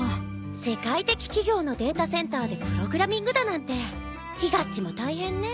世界的企業のデータセンターでプログラミングだなんてひがっちも大変ね。